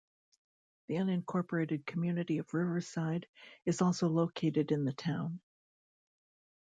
The unincorporated community of Riverside is also located in the town.